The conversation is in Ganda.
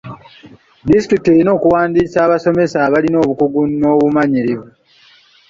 Disitulikiti erina okuwandiisa abasomesa abalina obukugu n'obumanyirivu.